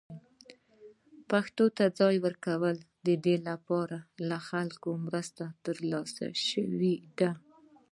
پښتو ته ځای ورکړل شو، د دې لپاره له خلکو مرسته ترلاسه شوې ده.